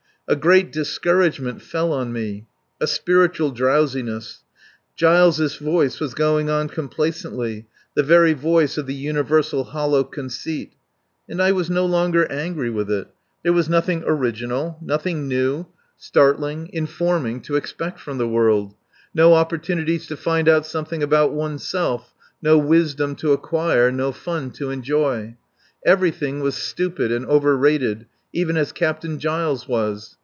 A great discouragement fell on me. A spiritual drowsiness. Giles' voice was going on complacently; the very voice of the universal hollow conceit. And I was no longer angry with it. There was nothing original, nothing new, startling, informing, to expect from the world; no opportunities to find out something about oneself, no wisdom to acquire, no fun to enjoy. Everything was stupid and overrated, even as Captain Giles was.